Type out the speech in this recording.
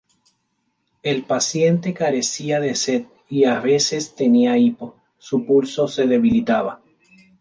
El paciente carecía de sed y a veces tenía hipo, su pulso se debilitaba.